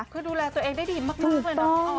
คือดูแลตัวเองได้ดีมากทุกเลยนะพี่อ่อน